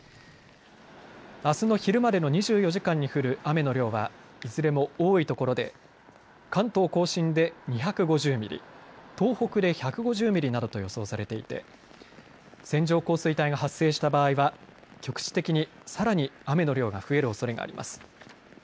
あすの昼までの２４時間に降る雨の量はいずれも多いところで関東甲信で２５０ミリ東北で１５０ミリなどと予想されていて線状降水帯が発生した場合は局地的に、さらに雨の量が増えるおそれがあります。